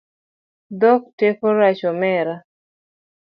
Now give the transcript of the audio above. Dhok teko rach omera